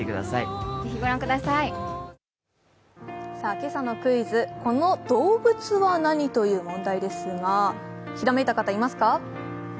今朝のクイズ、この動物は何？という問題ですが、ひらめいた方、いますか？